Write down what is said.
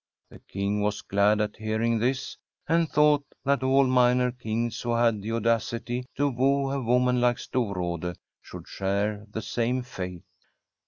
The King was glad at hearing this, and thought that all minor kings who had the audacity to woo a woman like Stor rade should share the same fate.